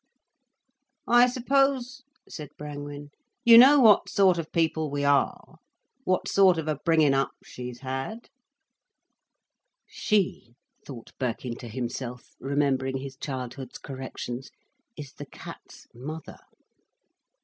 "I suppose," said Brangwen, "you know what sort of people we are? What sort of a bringing up she's had?" "'She'," thought Birkin to himself, remembering his childhood's corrections, "is the cat's mother."